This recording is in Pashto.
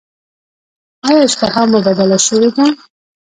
ایا اشتها مو بدله شوې ده؟